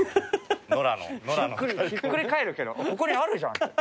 ひっくり返るけど「ここにあるじゃん！」